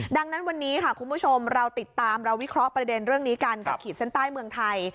ดังนั้นวันนี้ค่ะคุณผู้ชมเราติดตามเราวิเคราะห์ประเด็นเรื่องนี้กันกับขีดเส้นใต้เมืองไทย